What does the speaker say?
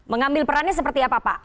mengambil perannya seperti apa pak